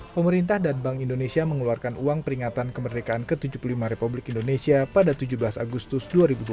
pemerintah dan bank indonesia mengeluarkan uang peringatan kemerdekaan ke tujuh puluh lima republik indonesia pada tujuh belas agustus dua ribu dua puluh